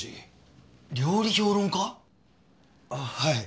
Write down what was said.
ああはい。